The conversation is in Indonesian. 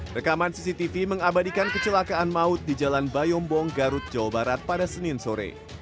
rekaman cctv mengabadikan kecelakaan maut di jalan bayombong garut jawa barat pada senin sore